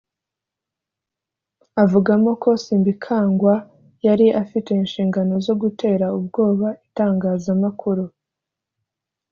avugamo ko Simbikangwa yari afite inshingano zo gutera ubwoba itangazamakuru